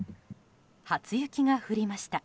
初雪が降りました。